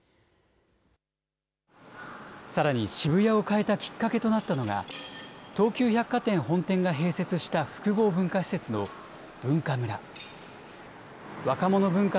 さらに、渋谷を変えたきっかけとなったのが、東急百貨店本店が併設した複合文化施設のＢｕｎｋａｍｕｒａ。